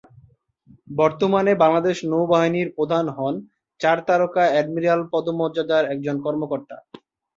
বর্তমানে বাংলাদেশ নৌবাহিনীর প্রধান হন চার তারকা অ্যাডমিরাল পদমর্যাদার একজন কর্মকর্তা।